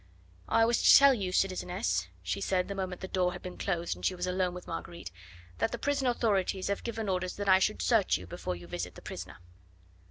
"I was to tell you, citizeness," she said the moment the door had been closed and she was alone with Marguerite, "that the prison authorities have given orders that I should search you before you visit the prisoner."